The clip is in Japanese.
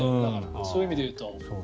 そういう意味で言うと。